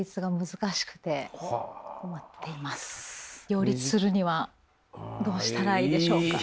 両立するにはどうしたらいいでしょうか？